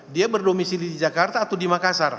dia berdomisili di jakarta atau di makassar